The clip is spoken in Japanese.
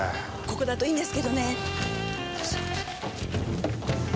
ここだといいんですけどね。